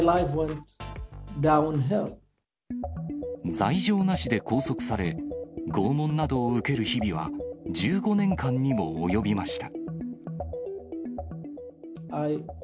罪状なしで拘束され、拷問などを受ける日々は、１５年間にも及びました。